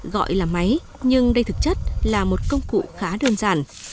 gọi là máy nhưng đây thực chất là một công cụ khá đơn giản